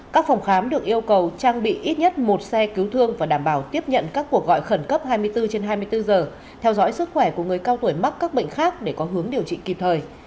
các phòng khám được yêu cầu trang bị ít nhất một xe cứu thương và đảm bảo tiếp nhận các cuộc gọi khẩn cấp hai mươi bốn trên hai mươi bốn giờ theo dõi sức khỏe của người cao tuổi mắc các bệnh khác để có hướng điều trị kịp thời